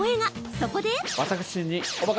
そこで。